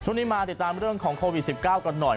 มาติดตามเรื่องของโควิด๑๙กันหน่อย